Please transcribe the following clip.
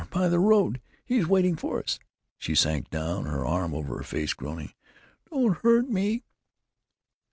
By the road! He's waiting for us!" She sank down, her arm over her face, groaning, "Don't hurt me!"